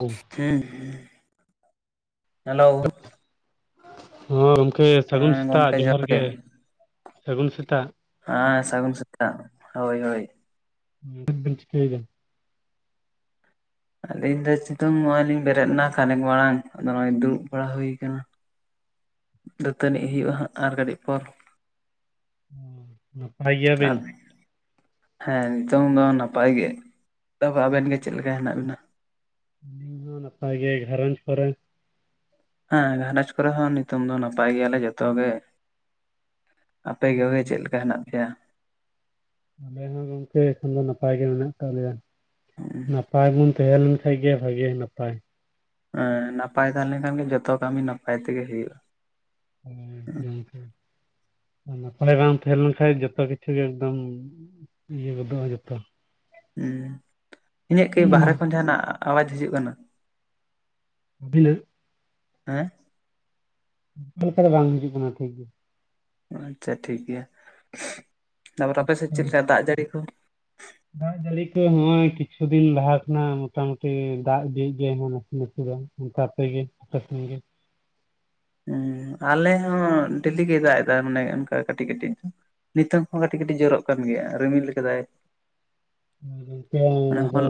ᱦᱚᱸ ᱦᱩᱸ ᱦᱮᱞᱳ ᱾ ᱦᱚᱸ ᱜᱚᱢᱠᱮ ᱥᱟᱹᱜᱩᱱ ᱥᱮᱛᱟᱜ ᱡᱚᱦᱟᱨ ᱜᱮ, ᱥᱟᱹᱜᱩᱱ ᱥᱮᱛᱟᱜ ᱾ ᱦᱮᱸ ᱥᱟᱹᱜᱩᱱ ᱥᱮᱛᱟᱜ ᱦᱳᱭ ᱦᱳᱭ ᱾ ᱪᱮᱫ ᱵᱤᱱ ᱪᱤᱠᱟᱹᱭᱫᱟ? ᱟᱹᱞᱤᱧ ᱫᱚ ᱪᱤᱛᱩᱝ ᱱᱚᱜᱚᱭ ᱞᱤᱧ ᱵᱮᱨᱮᱫᱱᱟ ᱠᱷᱟᱱᱮᱠ ᱢᱟᱲᱟᱝ ᱟᱫᱚ ᱱᱚᱜᱚᱭ ᱫᱩᱲᱩᱵ ᱵᱟᱲᱟ ᱦᱩᱭ ᱠᱟᱱᱟ ᱾ ᱫᱟᱹᱛᱟᱹᱱᱤᱜ ᱦᱩᱭᱩᱜᱼᱟ ᱦᱟᱸᱜ ᱟᱨ ᱠᱟᱹᱴᱤᱡ ᱯᱚᱨ ᱾ ᱱᱟᱯᱟᱭ ᱜᱮᱭᱟᱵᱤᱱ? [unintelligible] ᱦᱮᱸ ᱱᱤᱛᱚᱝ ᱫᱚ ᱱᱟᱯᱟᱭ ᱜᱮ᱾ ᱛᱚᱵᱮ ᱟᱵᱮᱱ ᱜᱮ ᱪᱮᱫ ᱞᱮᱠᱟ ᱦᱮᱱᱟᱜ ᱵᱮᱱᱟ? ᱟᱹᱞᱤᱧ ᱦᱚᱸ ᱱᱟᱯᱟᱭ ᱜᱮ, ᱜᱷᱟᱸᱨᱚᱧᱡᱽ ᱠᱚᱨᱮᱱ᱾ ᱦᱮᱸ ᱜᱷᱟᱨᱚᱸᱡᱽ ᱠᱚᱨᱮ ᱦᱚᱸ ᱱᱤᱛᱚᱝ ᱫᱚ ᱱᱟᱯᱟᱭ ᱜᱮᱭᱟᱞᱮ ᱡᱚᱛᱚ ᱜᱮ ᱾ ᱟᱯᱮ ᱠᱚᱜᱮ ᱪᱮᱫ ᱞᱮᱠᱟ ᱦᱮᱱᱟᱜ ᱯᱮᱭᱟ? ᱟᱞᱮ ᱦᱚᱸ ᱜᱚᱝᱠᱮ ᱮᱠᱷᱚᱱ ᱫᱚ ᱱᱟᱯᱟᱭ ᱜᱮ ᱢᱮᱱᱟᱜ ᱠᱟᱜ ᱞᱮᱭᱟ ᱦᱮᱸ ᱾ ᱱᱟᱯᱟᱭ ᱵᱚᱱ ᱛᱟᱦᱮᱸ ᱞᱮᱱ ᱠᱷᱟᱱ ᱜᱮ ᱵᱷᱟᱜᱮ ᱱᱟᱯᱟᱭ ᱾ ᱮᱸ ᱱᱟᱯᱟᱭ ᱛᱟᱦᱮᱸ ᱞᱮᱱ ᱠᱷᱟᱱ ᱜᱮ ᱡᱷᱚᱛᱚ ᱠᱟᱹᱢᱤ ᱱᱟᱯᱟᱭ ᱛᱮᱜᱮ ᱦᱩᱭᱩᱜᱼᱟ ᱾ [inaudible] ᱱᱟᱯᱟᱭ ᱵᱟᱝ ᱛᱟᱦᱮᱸ ᱞᱮᱱ ᱠᱷᱟᱡ ᱡᱚᱛᱚ ᱠᱤᱪᱷᱩ ᱜᱮ ᱮᱠᱫᱚᱢ ᱤᱭᱟᱹ ᱜᱚᱫᱚᱜᱼᱟ ᱡᱚᱛᱚ ᱾ ᱦᱩᱸ ᱤᱧᱟᱹᱜ ᱠᱤ ᱵᱟᱦᱨᱮ ᱠᱷᱚᱱ ᱡᱟᱦᱟᱸᱱᱟᱜ ᱟᱣᱟᱡ ᱦᱤᱡᱩᱜ ᱠᱟᱱᱟ? [unintelligible] ᱦᱮᱸ᱾ ᱚᱱᱠᱟ ᱞᱮᱠᱟ ᱫᱚ ᱵᱟᱝ ᱦᱤᱡᱩᱜ ᱠᱟᱱᱟ ᱴᱷᱤᱠ ᱜᱮᱭᱟ ᱾ ᱟᱪᱪᱷᱟ ᱴᱷᱤᱠ ᱜᱮᱭᱟ ᱾ ᱛᱟᱯᱚᱨ ᱟᱯᱮ ᱥᱮᱫ ᱪᱮᱫ ᱞᱮᱠᱟ ᱫᱟᱜ ᱡᱟᱹᱲᱤ ᱠᱚ? ᱫᱟᱜ ᱡᱟᱹᱲᱤ ᱠᱚ ᱱᱚᱜᱚᱭ ᱠᱤᱪᱷᱩ ᱫᱤᱱ ᱞᱟᱦᱟ ᱠᱷᱚᱱᱟᱜ ᱢᱚᱴᱟᱢᱩᱴᱤ ᱫᱟᱜ ᱤᱫᱤᱭᱮᱛ ᱜᱮᱭᱟᱭ ᱱᱟᱥᱮ ᱱᱟᱥᱮ ᱫᱚ ᱾ ᱛᱟᱯᱮ ᱜᱮ ᱯᱟᱥᱮᱱ ᱜᱮ ᱦᱮᱸ ᱟᱞᱮ ᱦᱚᱸ ᱰᱮᱞᱤ ᱜᱮᱭ ᱫᱟᱜ ᱮᱫᱟ ᱢᱟᱱᱮ ᱚᱱᱠᱟ ᱠᱟᱹᱴᱤᱡ ᱠᱟᱹᱴᱤᱡ ᱾ ᱱᱤᱛᱚᱝ ᱦᱚᱸ ᱠᱟᱹᱴᱤᱡ ᱠᱟᱹᱴᱤᱡ ᱡᱚᱨᱚᱜ ᱠᱟᱱ ᱜᱮᱭᱟ ᱨᱤᱢᱤᱞ ᱠᱟᱫᱟᱭ ᱾ [unintelligible] ᱟᱫᱚ ᱦᱚᱞ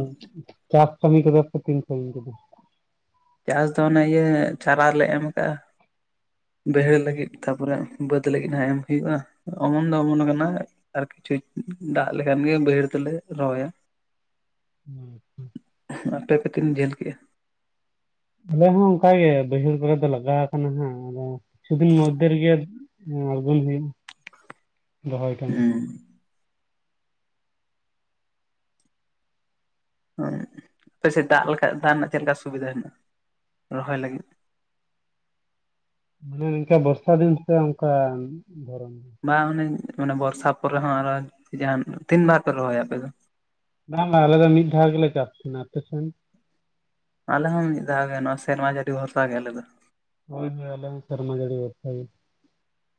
ᱪᱟᱥ ᱠᱟᱹᱢᱤ ᱠᱚᱫᱚ ᱯᱮ ᱛᱤᱱ ᱥᱟᱹᱜᱤᱧ ᱠᱮᱫᱟ? ᱪᱟᱥ ᱫᱚ ᱚᱱᱮ ᱤᱭᱟᱹ ᱪᱟᱨᱟ ᱞᱮ ᱮᱢ ᱠᱟᱜᱼᱟ ᱵᱟᱹᱭᱦᱟᱹᱲ ᱠᱮᱫᱟ ᱞᱟᱹᱜᱤᱫ ᱾ ᱛᱟᱯᱚᱨᱮ ᱵᱟᱹᱫᱽ ᱞᱟᱹᱜᱤᱫ ᱦᱟᱜ ᱮᱢ ᱦᱩᱭᱩᱜᱼᱟ ᱚᱢᱚᱱ ᱫᱚ ᱚᱢᱚᱱ ᱠᱟᱱᱟ ᱾ ᱟᱨ ᱠᱤᱪᱷᱩᱭ ᱫᱟᱜ ᱞᱮᱠᱷᱟᱱ ᱜᱮ ᱵᱟᱹᱭᱦᱟᱹᱲ ᱫᱚᱞᱮ ᱨᱚᱦᱚᱭᱟ ᱾ ᱦᱮᱸ ᱛᱚ ᱾ ᱟᱯᱮ ᱯᱮ‌ ᱛᱤᱱ ᱡᱷᱟᱹᱞ ᱠᱮᱜ-ᱟ? ᱟᱞᱮ ᱦᱚᱸ ᱚᱝᱠᱟ ᱜᱮ ᱵᱟᱹᱭᱦᱟᱹᱲ ᱠᱚᱨᱮ ᱫᱚ ᱞᱟᱜᱟᱣ ᱠᱟᱱᱟ ᱦᱟᱸᱜ ᱟᱫᱚ ᱠᱤᱪᱷᱩ ᱫᱤᱱ ᱢᱩᱫᱽᱫᱷᱮ ᱨᱮᱜᱮᱼᱼ ᱮᱸᱻᱟᱬᱜᱩᱱ ᱦᱩᱭᱩᱜ-ᱟ ᱨᱚᱦᱚᱭ ᱠᱟᱢᱤ᱾ ᱦᱩᱸ ᱚᱸᱻ ᱟᱯᱮ ᱥᱮᱜ ᱫᱟᱜ ᱞᱮᱠᱟ ᱫᱟᱜ ᱨᱮᱱᱟᱜ ᱪᱮᱜ ᱞᱮᱠᱟ ᱥᱩᱵᱤᱫᱟ ᱦᱮᱱᱟᱜ-ᱟ ᱨᱚᱦᱚᱭ ᱞᱟᱹᱜᱤᱫᱼᱼ ᱢᱟᱱᱮ ᱱᱤᱝᱠᱟ ᱵᱚᱨᱥᱟ ᱫᱤᱱ ᱥᱮ ᱚᱝᱠᱟ ᱫᱷᱚᱨᱚᱱᱼᱼ ᱵᱟᱝ ᱚᱱᱮ ᱢᱟᱱᱮ ᱵᱚᱨᱥᱟ ᱯᱚᱨᱮ ᱦᱚᱸ ᱟᱨᱚ ᱡᱟᱦᱟᱸᱱ ᱛᱤᱱ ᱵᱟᱨ ᱯᱮ ᱨᱚᱦᱚᱭᱟ ᱟᱯᱮ ᱫᱚ? ᱵᱟᱝ ᱵᱟᱝ ᱟᱞᱮ ᱫᱚ ᱢᱤᱫ ᱫᱷᱟᱣ ᱜᱮᱞᱮ ᱪᱟᱥ ᱛᱷᱮᱸᱱᱟ ᱟᱯᱮ ᱥᱮᱱ? ᱟᱞᱮ ᱦᱚᱸ ᱢᱤᱫ ᱫᱷᱟᱣ ᱜᱮ ᱱᱚᱶᱟ ᱥᱮᱨᱢᱟ ᱡᱟᱲᱤ ᱵᱷᱚᱨᱥᱟ ᱜᱮ ᱟᱞᱮ ᱫᱚ᱾ ᱦᱳᱭ ᱦᱳᱭ ᱟᱞᱮ ᱦᱚᱸ ᱥᱮᱨᱢᱟ ᱡᱟᱹᱲᱤ ᱵᱚᱨᱥᱟ ᱜᱮ,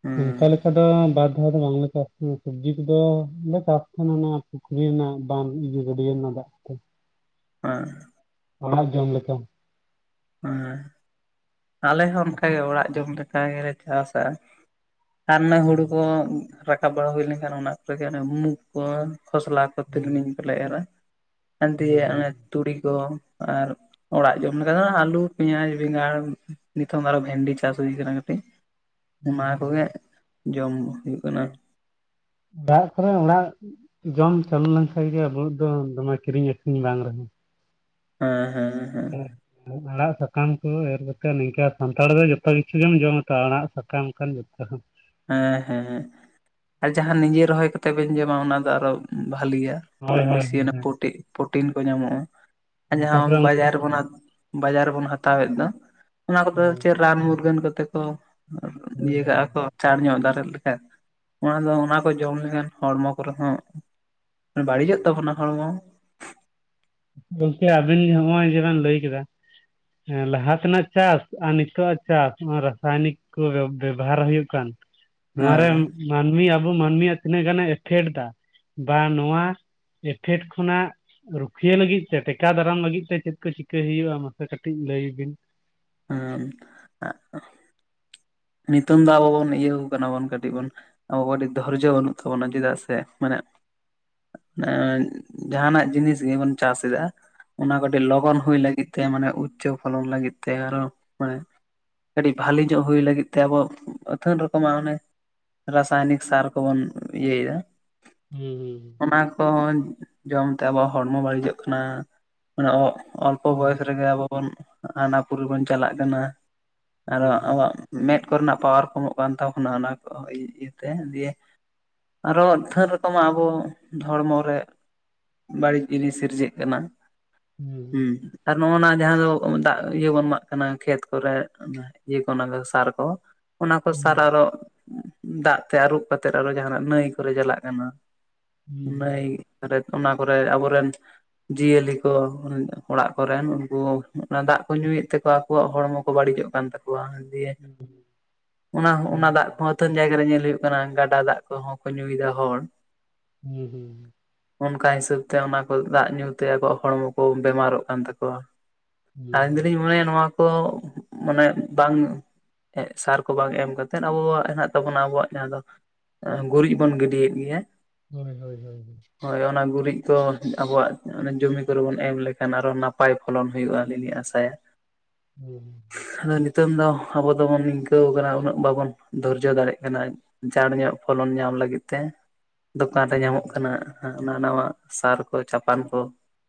ᱦᱩᱸ ᱚᱱᱠᱟ ᱞᱮᱠᱟ ᱫᱚ ᱵᱟᱫᱽᱼᱼ ᱚᱞᱮ ᱫᱚ ᱵᱟᱝ ᱞᱮ ᱪᱟᱥ ᱜᱮᱭᱟ ᱥᱟᱹᱵᱽᱡᱤ ᱠᱩᱫᱚ ᱞᱮ ᱪᱟᱥ ᱛᱮᱦᱮᱱᱟ ᱚᱱᱟ ᱯᱩᱠᱷᱨᱤ ᱨᱮᱱᱟᱜ ᱵᱟᱸᱫᱽ ᱤᱭᱟᱹ ᱜᱟᱹᱰᱭᱟᱹ ᱨᱮᱱᱟᱜ ᱫᱟᱜ ᱛᱮ᱾ ᱦᱮᱸ ᱚᱱᱟ ᱦᱚᱸ ᱡᱚᱢ ᱞᱮᱜᱮ ᱡᱟᱢ‌ ᱞᱮᱠᱟ‌᱾ ᱦᱮᱸ ᱟᱞᱮ ᱦᱚᱸ ᱦᱳᱭ ᱚᱱᱠᱟᱜᱮ ᱚᱲᱟᱜ ᱡᱚᱢ ᱞᱮᱠᱟ ᱜᱮᱞᱮ ᱪᱟᱥᱟ ᱾ ᱟᱨ ᱚᱱᱮ ᱦᱩᱲᱩ ᱠᱚ ᱨᱟᱠᱟᱵ ᱵᱟᱲᱟ ᱦᱩᱭ ᱞᱮᱱᱠᱷᱟᱱ ᱚᱱᱟ ᱠᱚᱨᱮᱜᱮ ᱚᱱᱮ ᱢᱩᱜᱽ ᱠᱚ ᱠᱷᱚᱥᱞᱟ ᱠᱚ ᱱᱚᱱᱛᱮ ᱫᱚ ᱱᱤᱝᱠᱟᱹᱞᱮ ᱮᱟ ᱟᱨ ᱦᱳᱭ ᱫᱤᱭᱮ ᱦᱳᱭ ᱚᱱᱮ ᱛᱩᱲᱤ ᱠᱚ ᱟᱨ ᱚᱲᱟᱜ ᱡᱚᱢ ᱞᱮᱠᱟ ᱫᱚ ᱟᱹᱞᱩ ᱟᱹᱞᱩ ᱯᱮᱸᱭᱟᱡᱽ ᱵᱮᱸᱜᱟᱲ ᱱᱤᱛᱚᱝ ᱟᱨᱚ ᱵᱷᱮᱱᱰᱤ ᱪᱟᱥ ᱦᱩᱭ ᱠᱟᱱᱟ ᱠᱟᱹᱴᱤᱡᱼᱼ ᱚᱱᱟ ᱦᱳᱭ ᱠᱚᱜᱮ ᱡᱚᱢ ᱦᱩᱭᱩᱜ ᱠᱟᱱᱟ᱾ ᱚᱲᱟᱜ ᱠᱚᱨᱮ ᱚᱲᱟᱜ ᱡᱚᱢ ᱪᱟᱹᱞᱩ ᱞᱮᱱᱠᱷᱟᱡ ᱜᱮ ᱟᱵᱩ ᱫᱚ ᱫᱚᱢᱮ ᱠᱤᱨᱤᱧ ᱟᱹᱠᱷᱨᱤᱧ ᱵᱟᱝ ᱨᱮᱦᱚᱸᱼᱼ ᱦᱮᱸ ᱦᱮᱸ ᱦᱮᱸ ᱦᱩᱸ ᱟᱲᱟᱜ ᱥᱟᱠᱟᱢ ᱠᱚ ᱮᱨ ᱠᱟᱛᱮᱜ ᱱᱤᱝᱠᱟ ᱥᱟᱱᱛᱟᱲ ᱫᱚ ᱡᱚᱛᱚ ᱠᱤᱪᱷᱩ ᱜᱮᱢ ᱡᱚᱢᱟ ᱛᱚ ᱟᱲᱟᱜ ᱥᱟᱠᱟᱢ ᱠᱟᱱ ᱡᱚᱛᱚ ᱦᱚᱸᱼᱼ ᱦᱮᱸ ᱦᱮᱸ ᱦᱮᱸ ᱟᱨ ᱡᱟᱦᱟᱸ ᱱᱤᱡᱮ ᱨᱚᱦᱚᱭ ᱠᱟᱛᱮᱜ ᱵᱮᱱ ᱡᱚᱢᱟ ᱚᱱᱟ ᱫᱚ ᱟᱨᱚ ᱵᱷᱟᱞᱤᱭᱟ᱾ ᱦᱳᱭ ᱦᱳᱭ ᱵᱤᱥᱤ ᱦᱳᱭ ᱚᱱᱟ ᱯᱨᱚᱴᱤᱱ ᱠᱚ ᱧᱟᱢᱚᱜ-ᱟ ᱟᱨ ᱦᱳᱭ ᱡᱟᱦᱟᱸ ᱛᱟᱯᱚᱨᱮ ᱚᱱᱠᱟ ᱵᱟᱡᱟᱨ ᱠᱷᱚᱱᱟᱜᱼᱼ ᱵᱟᱡᱟᱨ ᱨᱮᱵᱚᱱ ᱦᱟᱛᱟᱣᱮᱜ ᱫᱚ ᱚᱱᱟ ᱠᱩᱫᱚ ᱦᱳᱭ ᱪᱮᱫ ᱨᱟᱱ ᱢᱩᱨᱜᱟᱹᱱ ᱠᱚᱛᱮ ᱠᱚᱼᱼ ᱟᱨ ᱦᱳᱭ ᱤᱭᱟᱹ ᱦᱳᱭ ᱠᱟᱜ-ᱟ ᱠᱚ᱾ ᱪᱟᱬ ᱧᱚᱜ ᱫᱟᱨᱮᱜ ᱞᱮᱠᱟᱱ ᱚᱱᱟ ᱫᱚ ᱚᱱᱟ ᱠᱚ ᱡᱚᱢ ᱞᱮᱠᱷᱟᱱ ᱦᱚᱲᱢᱚ ᱠᱚᱨᱮ ᱦᱚᱸᱼᱼ ᱵᱟᱲᱤᱡᱚᱜ ᱛᱟᱵᱚᱱᱟ ᱦᱚᱲᱢᱚ᱾ ᱜᱚᱝᱠᱮ ᱟᱵᱤᱱ ᱡᱮ ᱦᱚᱸᱜ-ᱚᱸᱭ ᱡᱮ ᱵᱮᱱ ᱞᱟᱹᱭ ᱠᱮᱫᱟᱼᱼ ᱦᱮᱸ ᱞᱟᱦᱟ ᱛᱮᱱᱟᱜ ᱪᱟᱥ ᱟᱨ ᱱᱤᱛᱚᱜ ᱟᱜ ᱪᱟᱥ ᱚᱸ ᱨᱟᱥᱟᱭᱱᱤᱠᱼᱼ ᱠᱩ ᱵᱮᱵᱽ ᱵᱮᱵᱽᱦᱟᱨ ᱦᱩᱭᱩᱜ ᱠᱟᱱ ᱦᱮᱸ ᱱᱚᱣᱟᱨᱮᱢᱼᱼ ᱢᱟᱱᱢᱤ ᱟᱵᱚ ᱢᱟᱱᱢᱤ ᱭᱟᱜ ᱛᱤᱱᱟᱹᱜ ᱜᱟᱱᱮ ᱮᱯᱷᱮᱴ ᱫᱟ, ᱵᱟ ᱱᱚᱣᱟ, ᱮᱯᱷᱮᱰ ᱠᱷᱚᱱᱟᱜ ᱨᱩᱠᱷᱼᱼ ᱩᱠᱷᱤᱭᱟᱹ ᱞᱟᱹᱜᱤᱫ ᱛᱮ ᱴᱮᱠᱟᱣ ᱫᱟᱨᱟᱢ ᱞᱟᱹᱜᱤᱫ ᱛᱮ ᱪᱮᱫ ᱠᱚ ᱪᱤᱠᱟᱹᱭ ᱦᱩᱭᱩᱜ-ᱟ ᱢᱟᱥᱮ ᱠᱟᱹᱴᱤᱡ ᱞᱟᱹᱭ ᱵᱤᱱ? ᱟᱢᱸᱟᱸᱜᱼᱼ ᱱᱤᱛᱚᱝ ᱫᱚ ᱟᱵᱚ ᱵᱚᱱ ᱤᱭᱟᱹᱣ ᱠᱟᱱᱟ ᱵᱚᱱ ᱠᱟᱹᱴᱤᱡ ᱵᱩᱱᱼᱼ ᱟᱵᱚ ᱟᱹᱰᱤ ᱫᱷᱚᱨᱡᱚ ᱵᱟᱹᱱᱩᱜ ᱛᱟᱵᱚᱱᱟ ᱪᱮᱫᱟᱜ ᱥᱮ ᱢᱟᱱᱮᱼᱼ ᱮᱸ ᱡᱟᱦᱟᱸᱱᱟᱜ ᱡᱤᱱᱤᱥ ᱜᱮᱵᱚᱱ ᱪᱟᱥ ᱮᱫᱟ ᱚᱱᱟ ᱠᱟᱹᱴᱤᱡ ᱞᱚᱜᱚᱱ ᱦᱩᱭ ᱞᱟᱹᱜᱤᱫ ᱛᱮ ᱢᱟᱱᱮ ᱩᱪᱪᱚ ᱯᱷᱚᱞᱚᱱ ᱞᱟᱹᱜᱤᱫ ᱛᱮ ᱟᱨᱚ ᱢᱟᱱᱮ ᱠᱟᱹᱴᱤᱡ ᱵᱷᱟᱞᱤ ᱧᱚᱜ ᱦᱩᱭ ᱞᱟᱹᱜᱤᱫᱼᱼ ᱛᱮ ᱟᱵᱚ ᱟᱹᱛᱷᱟᱹᱱ ᱨᱚᱠᱚᱢᱟᱜ ᱚᱱᱮ ᱨᱟᱥᱟᱭᱱᱤᱠ ᱥᱟᱨ ᱠᱚᱵᱚᱱ ᱤᱭᱟᱹᱭ ᱭᱟᱼᱼ ᱦᱩᱸ ᱦᱩᱸ ᱦᱩᱸ᱾ ᱚᱱᱟ ᱠᱚᱦᱚᱸ ᱡᱚᱢ ᱛᱮ ᱟᱵᱚᱣᱟᱜ ᱦᱚᱲᱢᱚ ᱵᱟᱲᱤᱡᱚᱜ ᱠᱟᱱᱟ᱾ ᱢᱟᱱᱮ ᱚᱞᱯᱚ ᱵᱚᱭᱚᱥ ᱦᱩᱸ ᱨᱮᱜᱮ ᱟᱵᱚ ᱵᱚᱱ ᱦᱟᱱᱟᱯᱩᱨᱤ ᱵᱚᱱ ᱪᱟᱞᱟᱜ ᱠᱟᱱᱟ᱾ ᱟᱨᱚ ᱦᱩᱸ ᱟᱵᱚᱣᱟᱜ ᱢᱮᱸᱫ ᱠᱚᱨᱮ ᱱᱟᱜ ᱯᱟᱣᱟᱨ ᱠᱚᱢᱚᱜ ᱠᱟᱱ ᱛᱟᱵᱚᱱᱟ ᱚᱱᱟ ᱠᱚ ᱤᱭᱟᱹ ᱤᱭᱟᱹ ᱛᱮ ᱡᱮ ᱼᱼ ᱟᱨᱚ ᱟᱹᱛᱷᱟᱹᱱ ᱨᱚᱠᱚᱢᱟᱜ ᱟᱵᱚ ᱦᱚᱲᱢᱚ ᱨᱮᱼᱼ ᱵᱟᱲᱤᱡ ᱡᱤᱱᱤᱥ ᱥᱤᱨᱡᱟᱹᱜ ᱠᱟᱱᱟ ᱦᱩᱸ᱾ ᱟᱨ ᱱᱚᱜ-ᱚ ᱱᱚᱣᱟ ᱡᱟᱦᱟᱸ ᱫᱚ ᱵᱚ ᱫᱟᱜ ᱤᱭᱟᱹ ᱵᱚᱱ ᱮᱢᱟᱜ ᱠᱟᱱᱟ ᱠᱷᱮᱛ ᱠᱚᱨᱮ ᱚᱱᱟ ᱤᱭᱟᱹ ᱠᱚ ᱫᱚᱥᱼᱼ ᱥᱟᱨ ᱠᱚ ᱚᱱᱟ ᱠᱚ ᱥᱟᱨ ᱦᱩᱸ ᱟᱨᱚ, ᱩᱸᱼᱼ ᱫᱟᱜ ᱛᱮ ᱟᱹᱨᱩᱵ ᱠᱟᱛᱮᱜ ᱟᱨᱚ ᱡᱟᱦᱟᱸ ᱱᱟᱜ ᱱᱟᱹᱭ ᱠᱚᱨᱮ ᱪᱟᱞᱟᱜ ᱠᱟᱱᱟ ᱦᱩᱸ ᱱᱟᱹᱭᱼᱼ ᱨᱮ ᱚᱱᱟ ᱠᱚᱨᱮ ᱟᱵᱚ ᱨᱮᱱᱼᱼ ᱡᱤᱭᱟᱹᱞᱤ ᱠᱚ ᱚᱱᱮ ᱚᱲᱟᱜ ᱠᱚᱨᱮᱱ ᱩᱱᱠᱩ ᱚᱱᱟ ᱫᱟᱜ ᱠᱚ ᱧᱩᱭᱮᱜ ᱛᱮᱠᱚᱼᱼ ᱟᱠᱚᱣᱟᱜ ᱦᱚᱲᱢᱚ ᱠᱚ ᱵᱟᱹᱲᱤᱡᱚᱜ ᱠᱟᱱ ᱛᱟᱠᱚᱣᱟ ᱫᱤᱭᱮ [unintelligible] ᱚᱱᱟ ᱚᱱᱟ ᱦᱩᱸ ᱫᱟᱜ ᱠᱚᱦᱚᱸ ᱟᱹᱛᱷᱟᱹᱱ ᱡᱟᱭᱜᱟ ᱨᱮ ᱧᱮᱞ ᱦᱩᱭᱩᱜ ᱠᱟᱱᱟ ᱜᱟᱰᱟ ᱫᱟᱜ ᱠᱚᱦᱚᱸ ᱠᱚ ᱧᱩᱭᱮᱫᱟ ᱦᱚᱲ ᱾ ᱦᱩᱸ ᱦᱩᱸ ᱚᱱᱠᱟ ᱦᱤᱥᱟᱹᱵ ᱛᱮ ᱚᱱᱟ ᱠᱚ ᱫᱟᱜ ᱧᱩᱛᱮ ᱟᱠᱚᱣᱟᱜ ᱦᱚᱲᱢᱚ ᱠᱚ ᱵᱮᱢᱟᱨᱚᱜ ᱠᱟᱱ ᱛᱟᱠᱚᱣᱟ ᱾ ᱟᱞᱤᱧ ᱦᱩᱸ ᱫᱚᱞᱤᱧ ᱢᱚᱱᱮᱭᱟ ᱱᱚᱣᱟ ᱠᱚ ᱢᱟᱱᱮ ᱵᱟᱝ ᱮᱸᱜ ᱥᱟᱨ ᱠᱚ ᱵᱟᱝ ᱮᱢ ᱠᱟᱛᱮᱫ ᱟᱵᱚᱣᱟᱜ ᱦᱮᱱᱟᱜ ᱛᱟᱵᱚᱱᱟ ᱟᱵᱚᱣᱟᱜ ᱡᱟᱦᱟᱸ ᱫᱚ ᱜᱩᱨᱤᱡ ᱵᱚᱱ ᱜᱤᱰᱤᱭᱮᱫ ᱜᱮᱭᱟ ᱾ ᱦᱳᱭ ᱦᱳᱭ ᱦᱳᱭ ᱾ ᱦᱳᱭ ᱚᱱᱟ ᱜᱩᱨᱤᱡ ᱠᱚ ᱟᱵᱚᱣᱟᱜ ᱡᱚᱢᱢᱤ ᱠᱚᱨᱮ ᱵᱚᱱ ᱮᱢ ᱞᱮᱠᱷᱟᱱ ᱟᱨᱚ ᱱᱟᱯᱟᱭ ᱾ ᱯᱷᱚᱞᱚᱱ ᱦᱩᱭᱩᱜᱼᱟ ᱟᱞᱤᱧᱞᱤᱧ ᱟᱥᱟᱭᱟ ᱾ ᱦᱩᱸ᱾ ᱟᱫᱚ ᱱᱤᱛᱚᱝ ᱫᱚ ᱟᱵᱚ ᱫᱚᱵᱚᱱ ᱱᱤᱝᱠᱟᱹᱣ ᱠᱟᱱᱟ ᱩᱱᱟᱹᱜ ᱵᱟᱵᱚᱱ ᱫᱷᱚᱨᱡᱚ ᱫᱟᱲᱮᱜ ᱠᱟᱱᱟ᱾ ᱪᱟᱸᱲ ᱧᱚᱜ ᱯᱷᱚᱞᱚᱱ ᱧᱟᱢ ᱞᱟᱹᱜᱤᱫ ᱛᱮᱼᱼ ᱫᱚᱠᱟᱱ ᱨᱮ ᱧᱟᱢᱚᱜ ᱠᱟᱱᱟ ᱦᱟᱱᱟ ᱱᱟᱣᱟ ᱥᱟᱨ ᱠᱚ ᱪᱟᱯᱟᱱ ᱠᱚ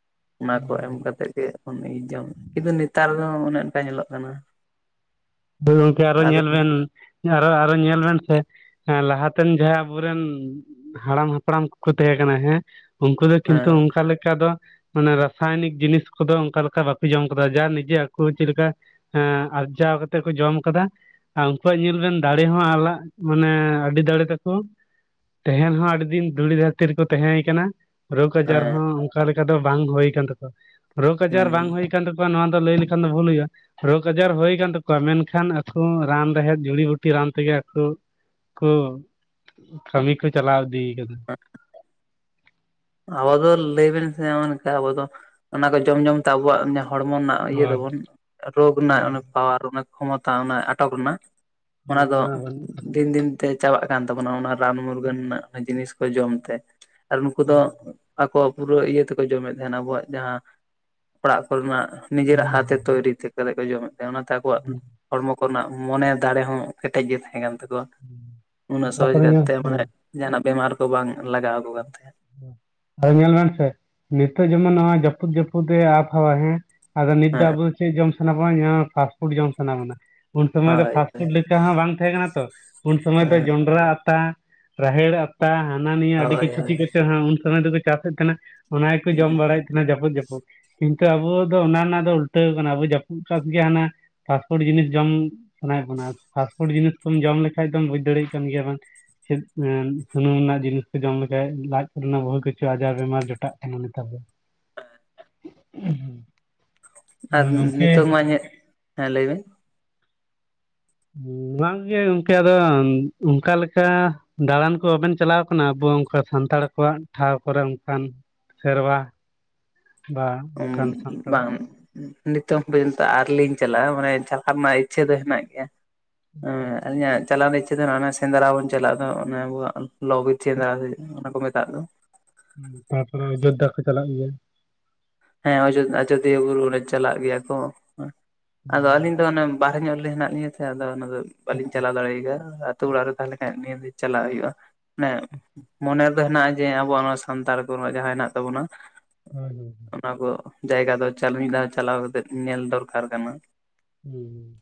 ᱾ ᱚᱱᱟ ᱦᱩᱸ ᱠᱚ ᱮᱢ ᱦᱩᱸ ᱠᱟᱛᱮᱜ ᱜᱮ ᱚᱱᱤ ᱡᱚᱢ ᱠᱤᱱᱛᱩ ᱱᱮᱛᱟᱨ ᱫᱚ ᱚᱱᱮ ᱚᱱᱠᱟ ᱧᱮᱞᱚᱜ ᱠᱟᱱᱟ ᱾ ᱫᱚ ᱜᱚᱝᱠᱮ ᱟᱨᱚ ᱧᱮᱞ ᱵᱮᱱ ᱾ ᱟᱨᱚ ᱟᱨᱚ ᱧᱮᱞ ᱵᱮ ᱥᱮ ᱞᱟᱦᱟᱛᱮᱱ ᱡᱟᱦᱟᱸ ᱟᱵᱚᱨᱮᱱ ᱦᱟᱲᱟᱢ ᱦᱟᱯᱲᱟᱢ ᱠᱚᱠᱚ ᱛᱟᱦᱮᱸ ᱠᱟᱱᱟ ᱦᱮᱸ ᱩᱱᱠᱩ ᱫᱚ ᱠᱤᱱᱛᱩ ᱦᱮᱸ ᱚᱱᱠᱟ ᱞᱮᱠᱟ ᱫᱚ ᱢᱟᱱᱮ ᱨᱟᱥᱟᱭᱚᱱᱤᱠ ᱡᱤᱱᱤᱥ ᱠᱚᱫᱚ ᱚᱱᱠᱟ ᱞᱮᱠᱟ ᱵᱟᱠᱚ ᱡᱚᱢ ᱠᱟᱫᱟ ᱡᱟ ᱱᱤᱡᱮ ᱟᱠᱚ ᱪᱮᱫ ᱞᱮᱠᱟ ᱦᱮᱸ ᱟᱨᱡᱟᱣ ᱛᱮᱠᱚ ᱡᱚᱢ ᱠᱟᱫᱟ ᱟᱨ ᱩᱱᱠᱩᱣᱟᱜ ᱧᱮᱞ ᱵᱤᱱ ᱫᱟᱲᱮ ᱦᱚᱸ ᱟᱞᱟᱜ ᱢᱟᱱᱮ ᱟᱹᱰᱤ ᱫᱟᱲᱮ ᱛᱟᱠᱚ ᱾ ᱛᱟᱦᱮᱱ ᱦᱚᱸ ᱟᱹᱰᱤ ᱫᱤᱱ ᱫᱷᱩᱲᱤ ᱫᱷᱟᱹᱨᱛᱤ ᱨᱮᱠᱚ ᱛᱟᱦᱮᱸᱭ ᱠᱟᱱᱟ ᱾ ᱨᱳᱜᱽ ᱟᱡᱟᱨ ᱦᱮᱸ ᱦᱚᱸ ᱚᱱᱠᱟ ᱞᱮᱠᱟ ᱫᱚ ᱵᱟᱝ ᱦᱩᱭ ᱟᱠᱟᱱ ᱛᱟᱠᱚᱣᱟ ᱨᱳᱜᱽ ᱟᱡᱟᱨ ᱦᱩᱸ ᱵᱟᱝ ᱦᱩᱭ ᱛᱟᱠᱚᱣᱟ ᱱᱚᱣᱟ ᱫᱚ ᱞᱟᱹᱭ ᱞᱮᱠᱷᱟᱱ ᱫᱚ ᱵᱷᱩᱞ ᱦᱩᱭᱩᱜᱼᱟ ᱨᱳᱜᱽ ᱟᱡᱟᱨ ᱦᱩᱭ ᱟᱠᱟᱱ ᱛᱟᱠᱚ ᱢᱮᱱᱠᱷᱟᱱ ᱟᱠᱚ ᱨᱟᱱ ᱨᱮᱦᱮᱫ ᱡᱩᱲᱤ ᱵᱩᱴᱤ ᱨᱟᱱ ᱛᱮᱜᱮ ᱟᱠᱚ ᱠᱚ ᱠᱟᱢᱤ ᱠᱚ ᱪᱟᱞᱟᱣ ᱤᱫᱤ ᱠᱟᱫᱟ ᱾ [unintelligible] ᱟᱵᱚ ᱫᱚ ᱞᱟᱹᱭᱵᱤᱱ ᱥᱮ ᱦᱚᱜ-ᱚ ᱱᱚᱠᱟ ᱟᱵᱚ ᱫᱚ ᱚᱱᱟ ᱠᱚ ᱡᱚᱢ ᱡᱚᱢᱛᱮ ᱟᱵᱚᱣᱟᱜ ᱦᱚᱲᱢᱚ ᱨᱮᱱᱟᱜ ᱾ ᱤᱭᱟᱹ ᱦᱳᱭ ᱫᱵᱚᱱ ᱨᱳᱜᱽ ᱨᱮᱱᱟᱜ ᱦᱳᱭ ᱚᱱᱟ ᱯᱟᱣᱟᱨ ᱚᱱᱟ ᱠᱷᱚᱢᱚᱛᱟ ᱚᱱᱟ ᱟᱴᱚᱠ ᱨᱮᱱᱟᱜ ᱾ ᱚᱱᱟ ᱫᱚ ᱫᱤᱱ ᱫᱤᱱ ᱛᱮ ᱪᱟᱵᱟᱜ ᱠᱟᱱ ᱛᱟᱵᱚᱱᱟ ᱚᱱᱟ ᱨᱟᱱ ᱢᱩᱨᱜᱟᱹᱱ ᱨᱮᱱᱟᱜ ᱡᱤᱱᱤᱥ ᱠᱚ ᱡᱚᱢ ᱛᱮ ᱾ ᱩᱱᱠᱩ ᱫᱚ ᱛᱟᱠᱚᱣᱟ ᱟᱠᱚᱣᱟᱜ ᱯᱩᱨᱟᱹ ᱤᱭᱟᱹ ᱛᱮᱠᱚ ᱡᱚᱢᱮᱫ ᱛᱟᱦᱮᱱᱟ ᱟᱵᱚᱣᱟᱜ ᱡᱟᱦᱟᱸ ᱚᱲᱟᱜ ᱠᱚᱨᱮᱱᱟᱜ ᱾ ᱱᱤᱡᱮᱨᱟᱜ ᱦᱩᱸ ᱦᱟᱛᱮ ᱛᱳᱭᱨᱤ ᱛᱮ ᱯᱟᱞᱮᱫ ᱠᱚ ᱡᱚᱢᱮᱫ ᱛᱟᱦᱮᱸ ᱚᱱᱟᱛᱮ ᱟᱠᱚᱣᱟᱜ ᱦᱩᱸ ᱦᱚᱲᱢᱚ ᱠᱚᱨᱮᱱᱟᱜ ᱢᱚᱱᱮ ᱫᱟᱲᱮ ᱦᱚᱸ ᱠᱮᱴᱮᱡ ᱜᱮ ᱛᱟᱦᱮᱸ ᱠᱟᱱ ᱛᱟᱠᱚᱣᱟ ᱩᱱᱟᱹᱜ ᱥᱚᱦᱚᱡᱽ ᱛᱟᱯᱚᱨᱮ ᱠᱟᱨᱛᱮ ᱢᱟᱱᱮ ᱦᱮᱸ ᱾ ᱡᱟᱦᱟᱱᱟᱜ ᱵᱮᱢᱟᱨ ᱠᱚ ᱵᱟᱝ ᱞᱟᱜᱟᱣ ᱟᱠᱩ ᱠᱟᱱ ᱛᱟᱦᱮᱸᱫ ᱾ ᱟ ᱧᱮᱞ ᱵᱮᱱ ᱥᱮ ᱱᱤᱛᱚᱜ ᱡᱮᱢᱚᱱ ᱱᱚᱣᱟ ᱡᱟᱹᱯᱩᱫ ᱡᱟᱹᱯᱩᱫ ᱮ ᱟᱵ ᱦᱟᱣᱟ ᱦᱮᱸ ᱟᱫᱚ ᱱᱤᱛ ᱫᱚ ᱦᱮᱸ ᱟᱵᱚ ᱪᱮᱫ ᱡᱚᱢ ᱥᱟᱱᱟ ᱵᱚᱱᱟ [unintelligible] ᱯᱷᱟᱥᱴ ᱯᱷᱩᱰ ᱡᱚᱢ ᱥᱟᱱᱟ ᱵᱚᱱᱟ ᱾ ᱩᱱ ᱥᱚᱢᱚᱭ ᱫᱚ ᱦᱳᱭ ᱯᱷᱟᱥᱴ ᱯᱷᱩᱰ ᱞᱮᱠᱟ ᱦᱚᱸ ᱵᱟᱝ ᱛᱟᱦᱮᱸ ᱠᱟᱱᱟ ᱛᱚ ᱩᱱ ᱥᱚᱢᱚᱭ ᱦᱮᱸ ᱫᱚ ᱡᱚᱱᱰᱨᱟ ᱟᱛᱟ ᱾ ᱨᱟᱦᱮᱲ ᱟᱛᱟ ᱦᱟᱱᱟ ᱱᱤᱭᱟᱹ ᱟᱰᱤ ᱦᱳᱭ ᱠᱤᱪᱷᱩ ᱦᱳᱭ ᱪᱮᱫ ᱠᱟᱪᱚ ᱦᱟᱸᱜ ᱩᱱ ᱥᱚᱢᱚᱭ ᱫᱚᱠᱚ ᱪᱟᱥᱮᱫ ᱛᱟᱦᱮᱱᱟ ᱚᱱᱟ ᱜᱮᱠᱚ ᱡᱚᱢ ᱵᱟᱲᱟᱭᱮᱫ ᱚᱱᱟ ᱡᱟᱹᱯᱩᱫ ᱡᱟᱹᱯᱩᱫ, ᱠᱤᱱᱛᱩ ᱟᱵᱚ ᱫᱚ ᱚᱱᱟ ᱨᱮᱱᱟᱜ ᱫᱚ ᱩᱞᱴᱟᱹᱣ ᱠᱟᱱᱟ ᱟᱵᱚ ᱡᱟᱹᱯᱩᱫ ᱪᱟᱥ ᱜᱮ ᱦᱟᱱᱟ ᱯᱷᱟᱥᱯᱷᱳᱰ ᱡᱤᱱᱤᱥ ᱡᱚᱢ ᱥᱟᱱᱟᱭᱮᱫ ᱵᱚᱱᱟ, ᱯᱷᱟᱥᱯᱷᱳᱰ ᱡᱤᱱᱤᱥ ᱠᱳᱢ ᱡᱚᱢ ᱞᱮᱠᱟᱱᱡ ᱫᱚᱢ ᱵᱩᱡ ᱫᱟᱲᱮᱭᱟᱜ ᱠᱟᱱ ᱜᱮᱭᱟ ᱵᱮᱱ ᱾ ᱥᱮᱫ ᱥᱩᱱᱩᱢ ᱨᱮᱱᱟᱜ ᱡᱤᱱᱤᱥ ᱠᱚ ᱡᱚᱢ ᱞᱮᱠᱷᱟᱡ ᱞᱟᱡ ᱯᱩᱨᱚᱱᱳ ᱵᱚᱦᱩ ᱠᱤᱪᱷᱩ ᱟᱡᱟᱨ ᱵᱤᱢᱟᱨ ᱡᱚᱴᱟᱜ ᱠᱟᱱᱟ ᱱᱮᱛᱟᱨ ᱫᱚ‌ ᱾ [unintelligible] ᱦᱩᱸ ᱟᱨ ᱱᱤᱛᱚᱜ ᱢᱟ ᱤᱧᱟᱹᱜ, ᱦᱮᱸ ᱞᱟᱹᱭ ᱢᱮ ᱾ ᱵᱟᱝᱜᱮ ᱚᱝᱠᱟᱫᱚ ᱚᱱᱠᱟ ᱞᱮᱠᱟ ᱫᱟᱬᱟᱱ ᱠᱚ ᱵᱟᱵᱮᱱ ᱪᱟᱞᱟᱣ ᱟᱠᱟᱱᱟ ᱟᱵᱚ ᱚᱱᱠᱟ ᱥᱟᱱᱛᱟᱲ ᱠᱚᱣᱟᱜ ᱴᱷᱟᱶ ᱠᱚᱨᱮ ᱚᱱᱠᱟᱱ? ᱥᱮᱨᱣᱟ ᱵᱟ ᱚᱱᱠᱟᱱ ᱥᱟᱱᱛᱟᱲ ᱵᱟᱝ ᱱᱤᱛᱚᱝ ᱵᱤᱞᱛᱚ ᱟᱣᱨᱤᱞᱤᱧ ᱪᱟᱞᱟᱜᱼᱟ ᱢᱟᱱᱮ ᱪᱟᱞᱟᱜ ᱨᱮᱱᱟᱜ ᱤᱪᱪᱷᱟᱹ ᱫᱚ ᱦᱮᱱᱟᱜ ᱜᱮᱭᱟ ᱾ ᱦᱮᱸ ᱤᱧᱟᱜ ᱪᱟᱞᱟᱣ ᱨᱮᱱᱟᱜ ᱤᱪᱪᱷᱟᱹ ᱫᱚ ᱢᱮᱱᱟᱜ ᱚᱱᱟ ᱥᱮᱸᱫᱽᱨᱟ ᱵᱚᱱ ᱪᱟᱞᱟᱜᱼᱟ ᱫᱚ ᱚᱱᱣᱟᱜ ᱞᱚ ᱵᱤᱨ ᱥᱮᱸᱫᱽᱨᱟ ᱚᱱᱟ ᱠᱚ ᱢᱮᱛᱟᱜ ᱫᱚ ᱾ ᱛᱟᱯᱚᱨᱮ ᱚᱡᱳᱫᱽᱫᱷᱟ ᱠᱚ ᱪᱟᱞᱟᱜ ᱜᱮᱭᱟ ᱦᱮᱸ ᱟᱡᱳᱚᱫᱤᱭᱟᱹ ᱵᱩᱨᱩ ᱨᱮ ᱪᱟᱞᱟᱜ ᱜᱮᱭᱟ ᱠᱚ ᱟᱫᱚ ᱟᱹᱞᱤᱧ ᱫᱚ ᱚᱱᱮ ᱵᱟᱨᱦᱮ ᱧᱚᱜ ᱦᱮᱱᱟᱜ ᱞᱤᱧᱟᱹ ᱛᱟᱦᱮᱸ ᱟᱫᱚ ᱚᱱᱟᱫᱚ ᱵᱟᱞᱤᱧ ᱟᱪᱪᱷᱟ ᱪᱟᱞᱟᱣ ᱫᱟᱲᱮᱭᱟᱜ ᱜᱮᱭᱟ ᱟᱹᱛᱩ ᱚᱲᱟᱜ ᱟᱪᱪᱷᱟ ᱨᱮ ᱛᱟᱦᱮᱸ ᱞᱮᱱᱠᱷᱟᱱ ᱱᱤᱭᱟᱹ ᱪᱟᱞᱟᱜ ᱦᱩᱭᱩᱜᱼᱟ ᱢᱟᱱᱮ ᱢᱚᱱᱮ ᱨᱮᱫᱚ ᱦᱮᱱᱟᱜᱼᱟ ᱡᱮ ᱟᱵᱚᱣᱟᱜ ᱱᱚᱣᱟ ᱥᱟᱱᱛᱟᱲ ᱠᱚᱣᱟᱜ ᱡᱟᱦᱟᱸ ᱦᱮᱱᱟᱜ ᱛᱟᱵᱚᱱᱟ ᱦᱳᱭ ᱦᱩ ᱚᱱᱟ ᱠᱚ ᱡᱟᱭᱜᱟ ᱫᱚ ᱢᱤᱫ ᱫᱷᱟᱣ ᱪᱟᱞᱟᱣ ᱠᱟᱛᱮᱜ ᱧᱮᱞ ᱫᱚᱨᱠᱟᱨ ᱠᱟᱱᱟ ᱦᱩᱸ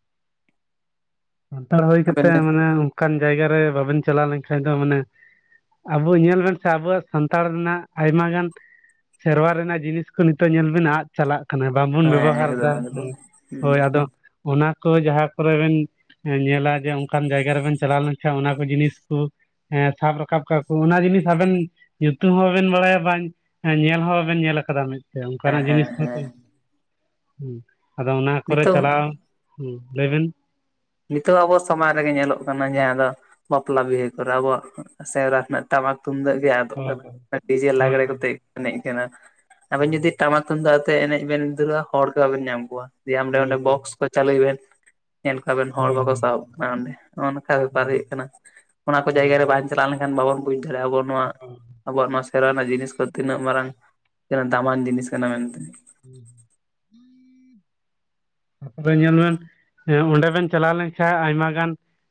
ᱥᱟᱱᱛᱟᱲ ᱦᱩᱭ ᱟᱵᱮᱱ ᱠᱟᱛᱮ ᱵᱮᱱ ᱢᱟᱱᱮ ᱚᱱᱠᱟᱱ ᱡᱟᱭᱜᱟ ᱨᱮ ᱵᱟᱵᱮᱱ ᱪᱟᱞᱟᱣ ᱞᱮᱱᱠᱷᱟᱱ ᱫᱚ ᱢᱟᱱᱮ ᱟᱵᱚ ᱧᱮᱞ ᱵᱮᱱ ᱥᱮ ᱟᱵᱚᱣᱟᱜ ᱥᱟᱱᱛᱟᱲ ᱨᱮᱱᱟᱜ ᱟᱭᱢᱟ ᱜᱟᱱ ᱥᱮᱨᱣᱟ ᱨᱮᱱᱟᱜ ᱡᱤᱱᱤᱥ ᱠᱚ ᱱᱤᱛᱚᱜ ᱧᱮᱞ ᱵᱮᱱ ᱟᱫ ᱪᱟᱞᱟᱜ ᱠᱟᱱᱟ ᱵᱟᱝᱵᱚᱱ ᱦᱮᱸ ᱵᱮᱵᱚᱦᱟᱨ ᱮᱫᱟ ᱮᱠᱫᱚᱢ ᱮᱠᱫᱚᱢ ᱦᱩᱸ ᱦᱳᱭ ᱟᱫᱚ ᱚᱱᱟ ᱠᱚ ᱡᱟᱦᱟᱸ ᱠᱚᱨᱮ ᱵᱮᱱ ᱧᱮᱞᱟ ᱡᱮ ᱚᱱᱠᱟᱱ ᱡᱟᱭᱜᱟ ᱨᱮᱵᱮᱱ ᱪᱟᱞᱟᱣ ᱞᱮᱱ ᱠᱷᱟᱱ ᱚᱱᱟ ᱠᱚ ᱡᱤᱱᱤᱥ ᱠᱚᱸ ᱥᱟᱵ ᱨᱟᱠᱟᱵ ᱠᱟᱜᱼᱟ ᱠᱚ ᱚᱱᱟ ᱡᱤᱱᱤᱥ ᱟᱵᱮᱱ ᱧᱩᱛᱩᱢ ᱦᱚᱸ ᱵᱟᱵᱮᱱ ᱵᱟᱲᱟᱭᱟ ᱵᱟᱝ ᱧᱮᱞ ᱦᱚᱸ ᱵᱟᱵᱮᱱ ᱧᱮᱞ ᱟᱠᱟᱫᱟ ᱢᱤᱫ ᱦᱮᱸ ᱚᱱᱠᱟᱱᱟᱜ ᱦᱮᱸ ᱡᱤᱱᱤᱥ ᱢᱟᱛᱚ ᱦᱮᱸ ᱟᱫᱚ ᱚᱱᱟ ᱠᱚᱨᱮ ᱱᱤᱛᱚᱜ ᱪᱟᱞᱟᱣ ᱦᱩᱸ ᱞᱟᱹᱭᱵᱤᱱ ᱱᱤᱛᱚᱜ ᱟᱵᱚ ᱥᱚᱢᱟᱡᱽ ᱨᱮᱜᱮ ᱧᱮᱞᱚᱜ ᱠᱟᱱᱟ ᱡᱟᱦᱟᱸ ᱫᱚ ᱵᱟᱯᱞᱟ ᱵᱤᱦᱟᱹ ᱠᱚᱨᱮ ᱟᱵᱚᱣᱟᱜ ᱥᱮᱣᱨᱟ ᱠᱷᱚᱱᱟᱜ ᱴᱟᱢᱟᱠ ᱛᱩᱢᱫᱟᱹᱜ ᱜᱮ ᱟᱫᱚᱜ ᱦᱳᱭ ᱦᱳᱭ ᱠᱟᱱᱟ ᱰᱤᱡᱮ ᱦᱳᱭ ᱞᱟᱜᱽᱲᱮ ᱠᱟᱛᱮ ᱮᱱᱮᱡ ᱠᱟᱱᱟ ᱟᱵᱮᱱ ᱡᱩᱫᱤ ᱴᱟᱢᱟᱠ ᱛᱩᱢ ᱫᱟᱜ ᱟᱛᱮ ᱮᱱᱮᱡ ᱵᱮᱱ ᱫᱷᱩᱨᱟᱹᱜᱼᱟ ᱦᱚᱲ ᱠᱚ ᱵᱟᱵᱮᱱ ᱧᱟᱢ ᱠᱚᱣᱟ ᱫᱤᱭᱮ ᱦᱳᱭ ᱦᱳᱭ ᱚᱸᱰᱮ ᱦᱳᱭ ᱦᱳᱭ ᱦᱳᱭ ᱵᱚᱠᱥ ᱠᱚ ᱪᱟᱹᱞᱩᱭ ᱵᱮᱱ ᱟᱵᱮᱱ ᱦᱚᱲ ᱦᱳᱭ ᱵᱟᱠᱚ ᱥᱟᱦᱚᱵ ᱠᱟᱱᱟ ᱚᱸᱰᱮ ᱱᱚᱜ ᱱᱚᱝᱠᱟ ᱵᱮᱯᱟᱨ ᱦᱳᱭ ᱦᱩᱭᱩᱜ ᱠᱟᱱᱟ ᱚᱱᱟ ᱠᱚ ᱡᱟᱭᱜᱟ ᱦᱳᱭ ᱨᱮ ᱵᱟᱝ ᱪᱟᱞᱟᱣ ᱞᱮᱱᱠᱷᱟᱱ ᱵᱟᱵᱚ ᱵᱩᱡᱽ ᱫᱟᱲᱭᱟᱜᱼᱟ ᱵᱚᱱ ᱱᱚᱣᱟ ᱦᱳᱭ ᱟᱵᱚᱣᱟᱜ ᱱᱚᱣᱟ ᱥᱮᱨᱣᱟ ᱨᱮᱱᱟᱜ ᱡᱤᱱᱤᱥ ᱠᱚ ᱛᱤᱱᱟᱹᱜ ᱢᱟᱨᱟᱝ ᱫᱟᱢᱟᱱ ᱡᱤᱱᱤᱥ ᱠᱟᱱᱟ ᱢᱮᱱᱛᱮ ᱛᱟᱯᱚᱨᱮ ᱧᱮᱞᱵᱮᱱ ᱚᱸᱰᱮ ᱵᱮᱱ ᱪᱟᱞᱟᱣ ᱞᱮᱱᱠᱷᱟᱱ ᱟᱭᱢᱟ ᱜᱟᱱ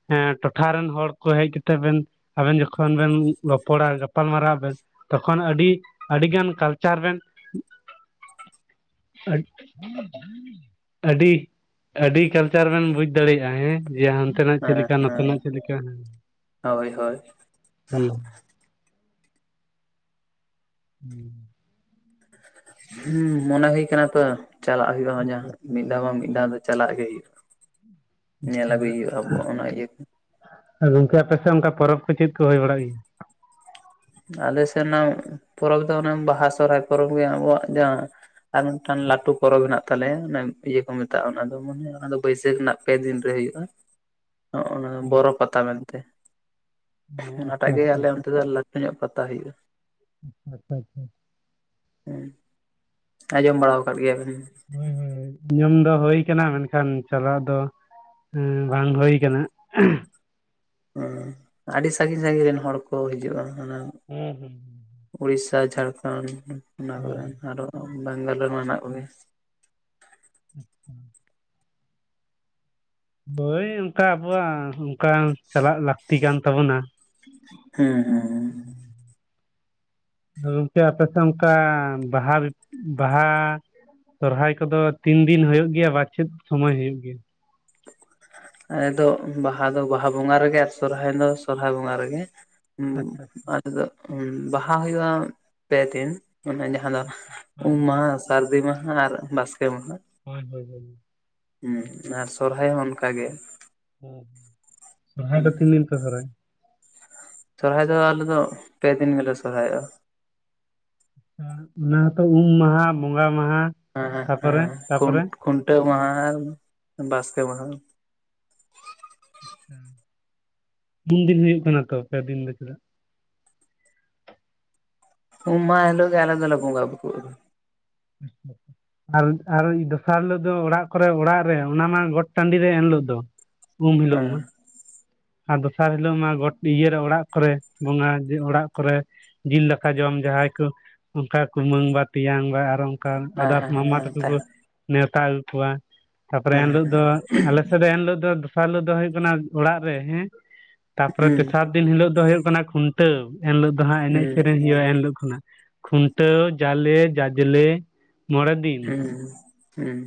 ᱦᱮᱸ ᱴᱚᱴᱷᱟ ᱨᱮᱱ ᱦᱚᱲ ᱠᱚ ᱦᱮᱡ ᱠᱟᱛᱮᱜ ᱵᱮᱱ ᱟᱵᱮᱱ ᱡᱚᱠᱷᱚᱱ ᱵᱮᱱ ᱨᱚᱯᱚᱲᱟ ᱜᱚᱯᱟᱞ ᱢᱟᱨᱟᱣ ᱟᱵᱮᱱ ᱛᱚᱠᱷᱚᱱ ᱟᱹᱰᱤ ᱟᱹᱰᱤᱜᱟᱱ ᱠᱟᱞᱪᱟᱨ ᱵᱮᱱ [unintelligible] ᱟᱹᱰᱤ ᱟᱹᱰᱤ ᱠᱟᱞᱪᱟᱨ ᱵᱮᱱ ᱵᱩᱡᱽ ᱫᱟᱲᱮᱭᱟᱜᱼᱟ ᱦᱮᱸ ᱡᱟᱦᱟᱱ ᱚᱱᱛᱮᱱᱟᱜ ᱪᱮᱫ ᱦᱮᱸ ᱞᱮᱠᱟ ᱦᱮᱸ ᱱᱚᱛᱮᱱᱟᱜ ᱪᱮᱫ ᱞᱮᱠᱟ ᱦᱮᱸ ᱦᱳᱭ ᱦᱳᱭ ᱦᱮᱸ [inaudible] ᱦᱩᱸ ᱢᱚᱱᱮ ᱦᱩᱭ ᱠᱟᱱᱟ ᱛᱚ ᱪᱟᱞᱟᱜ ᱦᱩᱭᱩᱜᱼᱟᱧ ᱢᱤᱫ ᱫᱷᱟᱣ ᱵᱟᱝ ᱢᱤᱫ ᱫᱷᱟᱣ ᱫᱚ ᱪᱟᱞᱟᱜ ᱜᱮ ᱦᱩᱭᱩᱜᱼᱟ ᱧᱮᱞ ᱟᱹᱜᱩᱭ ᱦᱩᱭᱩᱜᱼᱟ ᱟᱵᱚ ᱚᱱᱟ ᱤᱭᱟᱹ ᱟᱨ ᱜᱚᱝᱠᱮ ᱟᱯᱮᱥᱮᱫ ᱚᱱᱠᱟ ᱯᱚᱨᱚᱵᱽ ᱠᱚ ᱪᱮᱫ ᱠᱚ ᱦᱩᱭ ᱵᱟᱲᱟᱜ ᱜᱮᱭᱟ ᱟᱞᱮ ᱥᱮᱱᱟᱜ ᱯᱚᱨᱚᱵᱽ ᱫᱚ ᱚᱱᱮ ᱵᱟᱦᱟ ᱥᱚᱨᱚᱦᱟᱭ ᱯᱚᱨᱚᱵᱽ ᱜᱮ ᱟᱵᱚᱣᱟᱜ ᱡᱟᱦᱟᱸ ᱟᱨ ᱢᱤᱫᱴᱟᱝ ᱞᱟᱟᱹᱴᱩ ᱯᱚᱨᱚᱵᱽ ᱦᱮᱱᱟᱜ ᱛᱟᱞᱮᱭᱟ ᱚᱱᱮ ᱤᱭᱟᱹ ᱠᱚ ᱢᱮᱛᱟᱜᱼᱟ ᱚᱱᱟ ᱢᱚᱱᱮ ᱚᱱᱟ ᱫᱚ ᱵᱟᱹᱭᱥᱟᱹᱠᱷ ᱨᱮᱱᱟᱜ ᱯᱮ ᱫᱤᱱ ᱨᱮ ᱦᱳᱼᱟ [inaudible] ᱱᱚᱜᱼ ᱱᱚᱣᱟ ᱵᱚᱨᱚ ᱯᱟᱛᱟ ᱢᱮᱱ ᱛᱮ ᱚ ᱚᱱᱟᱴᱟᱜ ᱟᱪᱪᱷᱟ ᱜᱮ ᱟᱪᱪᱷᱟ ᱟᱞᱮ ᱚᱱᱛᱮ ᱫᱚ ᱞᱟᱴ ᱧᱟᱹᱜ ᱯᱟᱛᱟ ᱦᱩᱭᱩᱜᱼᱟ ᱟᱪᱷᱟ ᱟᱪᱷᱟ ᱦᱮᱸ ᱟᱸᱡᱚᱢ ᱵᱟᱲᱟ ᱟᱠᱟᱫ ᱜᱮᱭᱟ ᱵᱮᱲ ᱦᱳᱭ ᱦᱳᱭ ᱧᱩᱚᱢ ᱫᱚ ᱦᱳ ᱠᱟᱱᱟ ᱢᱮᱱᱠᱷᱟᱱ ᱪᱟᱞᱟᱜ ᱫᱚ ᱦᱮᱸ ᱵᱟᱝ ᱦᱩᱭ ᱠᱟᱱᱟ ᱦ ᱟᱹᱰᱤ ᱥᱟᱺᱟᱹᱜᱤᱧ ᱥᱟᱺᱜᱤᱧ ᱨᱮᱱ ᱦᱚᱲ ᱠᱚ ᱦᱤᱡᱩᱜᱼᱟ ᱚᱱᱟ ᱦᱩᱸ ᱦᱩᱸᱸ ᱩᱲᱤᱥᱟ ᱡᱷᱟᱲᱠᱷᱚᱱᱰ ᱚᱱᱟ ᱦᱳᱭ ᱠᱚᱨᱮᱱ ᱟᱨᱚ ᱵᱮᱜᱟᱞ ᱨᱮᱱ ᱢᱮᱱᱟᱜ ᱠᱚᱜᱮᱭᱟ [unintelligible] ᱦᱳᱭ ᱚᱝᱠᱟ ᱟᱵᱚᱣᱟᱜ ᱚᱝᱠᱟ ᱪᱟᱞᱟᱜ ᱞᱟᱠᱛᱤ ᱠᱟᱱ ᱛᱟᱵᱚᱱᱟ [unintelligible] ᱜᱚᱝᱠᱮ ᱟᱯᱮᱥᱮ ᱚᱝᱠᱟ ᱵᱟᱦᱟ ᱵᱤᱯ ᱵᱟᱦᱟᱻ ᱥᱚᱨᱦᱟᱭ ᱠᱚᱫᱚ ᱛᱤᱱ ᱫᱤᱱ ᱦᱳᱭᱳᱜ ᱜᱮᱭᱟ ᱵᱟ ᱪᱮᱫ ᱥᱚᱢᱚᱭ ᱦᱩᱭᱩᱜ ᱜᱮᱭᱟ ᱮᱫᱚᱜ ᱵᱟᱦᱟ ᱫᱚ ᱵᱟᱦᱟ ᱵᱚᱸᱜᱟ ᱨᱮᱜᱮ ᱟᱨ ᱥᱚᱨᱦᱟᱭ ᱫᱚ ᱥᱚᱨᱦᱟᱭ ᱵᱚᱸᱜᱟ ᱨᱮᱜᱮ ᱩᱸ ᱟᱪᱪᱷᱟ ᱟᱫᱚ ᱵᱟᱦᱟ ᱦᱩᱭᱩᱜ-ᱟ ᱯᱮ ᱫᱤᱱ ᱚᱱᱟ ᱡᱟᱦᱟᱸ ᱟᱫᱚ ᱟᱪᱪᱷᱟ ᱩᱢ ᱢᱟᱦᱟ ᱥᱟᱨᱫᱤ ᱢᱟᱦᱟ ᱟᱨ ᱵᱟᱥᱠᱮ ᱢᱟᱦᱟ ᱦᱳᱭ ᱦᱳᱭ ᱦᱳᱭ ᱦᱩᱸ ᱟᱨ ᱥᱚᱨᱦᱟᱭ ᱦᱚᱸ ᱚᱱᱠᱟᱜᱮ ᱥᱚᱨᱦᱟᱭ ᱫᱚ ᱛᱤᱱ ᱫᱤᱱ ᱯᱮ ᱥᱚᱨᱦᱟᱭᱜ-ᱟ ᱥᱚᱨᱦᱟᱭ ᱫᱚ ᱟᱞᱮ ᱫᱚ ᱯᱮᱫᱤᱱ ᱜᱮᱞᱮ ᱥᱚᱨᱦᱟᱭᱚᱜᱼᱟ ᱚᱱᱟ ᱦᱛᱚ ᱩᱢ ᱢᱟᱦᱟ ᱵᱚᱸᱜᱟ ᱢᱟᱦᱟ ᱦᱮᱸ ᱛᱟᱯᱚᱨᱮ ᱦᱮᱸ ᱛᱟᱯᱚᱨᱮ ᱠᱷᱩᱱᱴᱟᱹᱣ ᱢᱟᱦᱟ ᱵᱟᱥᱠᱮ ᱢᱟᱦᱟ ᱟᱪ ᱩᱱᱫᱤᱱ ᱦᱩᱭᱩᱜ ᱠᱟᱱᱟ ᱛᱚ ᱯᱮ ᱫᱤᱱ ᱫᱚ ᱪᱮᱫᱟᱜ ᱩᱢᱟ ᱢᱟᱦᱟ ᱦᱮᱞᱜ ᱜᱮ ᱟᱞᱟᱜ ᱟᱞ ᱫᱚᱞᱮ ᱵᱚᱝᱜᱟ ᱵᱩᱨᱩᱜᱼᱟ [unintelligible] ᱟᱨ ᱟᱨ ᱫᱚᱥᱟᱨ ᱦᱤᱞᱳ ᱫᱚ ᱚᱲᱟᱜ ᱠᱚᱨᱮ ᱚᱲᱟᱜ ᱨᱮ ᱚᱱᱟ ᱢᱟ ᱜᱚᱴ ᱴᱟᱸᱰᱤ ᱨᱮ ᱮᱱ ᱞᱳᱜ ᱫᱚ ᱩᱢ ᱦᱤᱞᱳᱜ ᱦᱮᱸ ᱢᱟ ᱟᱨ ᱫᱚᱥᱟᱨ ᱦᱤᱞᱳᱜ ᱢᱟ ᱜᱚᱴ ᱤᱭᱟᱹᱨᱮ ᱚᱲᱟᱜ ᱠᱚᱨᱮ ᱵᱚᱸᱝᱟ ᱚᱲᱟᱜ ᱠᱚᱨᱮ ᱡᱤᱞ ᱫᱟᱠᱟ ᱡᱚᱢ ᱡᱟᱦᱟᱭ ᱠᱚ ᱚᱝᱠᱟ ᱠᱩᱢᱟᱹᱝ ᱵᱟ ᱛᱮᱭᱟᱝ ᱵᱟ ᱟᱨᱚ ᱠᱟ ᱦᱮᱸ ᱟᱫᱟᱨᱥ ᱦᱮᱸ ᱢᱟᱢᱟ ᱦᱮᱸ ᱛᱠᱩ ᱛᱟᱦᱮᱸ ᱠᱚ ᱱᱮᱣᱛᱟ ᱟᱹᱜᱩ ᱠᱚᱣᱟ ᱛᱟᱯᱚᱨᱮ ᱮᱱᱞᱳᱜ ᱦᱮᱸ ᱫᱚ ᱟᱞᱮ ᱥᱮᱫ ᱫᱚ ᱮᱱᱞᱳᱜ ᱫᱚ ᱫᱚᱥᱟᱨ ᱦᱤᱞᱳᱜ ᱫᱚ ᱦᱩᱭᱩᱜ ᱠᱟᱱᱟ ᱚᱲᱟᱜ ᱦᱮᱸ ᱛᱟᱯᱚᱨᱮ ᱛᱮᱥᱟᱨ ᱫᱤᱱ ᱦᱤᱞᱳᱜ ᱫᱚ ᱦᱩᱭᱩᱜ ᱠᱟᱱᱟ ᱠᱷᱩᱱᱴᱟᱹᱣ ᱮᱱᱞᱳᱜ ᱫᱚ ᱦᱟᱸᱜ ᱮᱱᱮᱡ ᱦᱮᱸ ᱥᱮᱨᱮᱧ ᱦᱩᱭᱩᱜ-ᱟ ᱮᱱᱞᱳᱜ ᱠᱷᱚᱱᱟᱜ ᱠᱷᱩᱱᱴᱟᱹᱣ ᱡᱟᱞᱮ ᱡᱟᱡᱽᱞᱮ ᱢᱚᱬᱮ ᱫᱤᱱ ᱩᱸᱻᱦᱩᱸ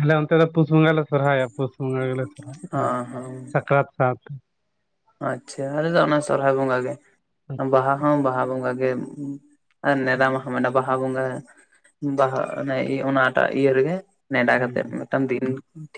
ᱟᱞᱮ ᱚᱱᱛᱮ ᱫᱚ ᱯᱩᱥ ᱵᱚᱝᱟᱞᱮ ᱥᱚᱨᱦᱟᱭᱚ ᱯᱩᱥ ᱵᱚᱸᱜᱟ ᱜᱮᱞᱮ ᱥᱚᱨᱦᱟᱭᱚᱜ ᱚ ᱛᱮᱱᱟ ᱦᱚᱸ ᱥᱟᱠᱨᱟᱛ ᱥᱟᱶᱛᱮ ᱟᱪᱪᱷᱟ ᱟᱞᱮ ᱫᱚ ᱚᱱᱟ ᱥᱚᱨᱦᱟᱭ ᱵᱚᱸᱜᱟ ᱜᱮ ᱦᱩᱸ ᱵᱟᱦᱟ ᱦᱚᱸ ᱵᱟᱦᱟ ᱵᱚᱸᱜᱟ ᱜᱮ ᱱᱮᱫᱟᱢᱟᱦᱟ ᱢᱟᱱᱮ ᱵᱟᱦᱟ ᱵᱚᱸᱜᱟ ᱵᱟᱦᱟ ᱮᱱᱮ ᱚᱱᱟᱴᱟᱜ ᱤᱭᱟᱹ ᱨᱮᱜᱮ ᱱᱮᱰᱟ ᱦᱩᱸ ᱠᱟᱛᱮᱜ ᱦᱩᱸ ᱢᱤᱫᱴᱟᱝ ᱫᱤᱱ ᱴᱷᱤᱠ